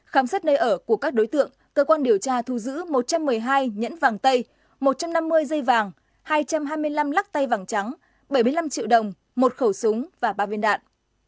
khám xét nơi ở của các đối tượng cơ quan điều tra thu giữ một trăm một mươi hai nhẫn vàng tây một trăm năm mươi dây vàng hai trăm hai mươi năm lắc tay vàng trắng bảy mươi năm triệu đồng một khẩu súng và ba viên đạn